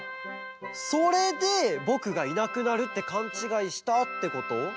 それでぼくがいなくなるってかんちがいしたってこと？